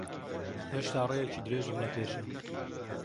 هێشتا ڕێیەکی درێژم لەپێشە.